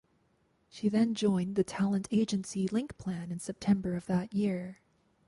She then joined the talent agency Link Plan in September of that year.